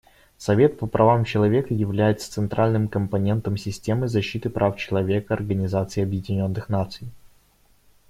Совет по правам человека является центральным компонентом системы защиты прав человека Организации Объединенных Наций.